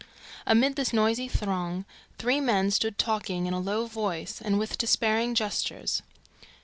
Amid this noisy throng, three men stood talking in a low voice and with despairing gestures.